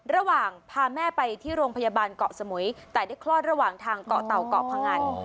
ระหว่างพาแม่ไปที่โรงพยาบาลเกาะสมุยแต่ได้คลอดระหว่างทางเกาะเต่าเกาะพงัน